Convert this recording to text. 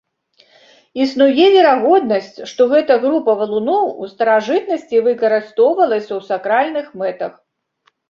Існуе верагоднасць, што гэта група валуноў у старажытнасці выкарыстоўвалася ў сакральных мэтах.